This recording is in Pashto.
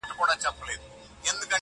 نور پخلا یو زموږ او ستاسي دي دوستي وي!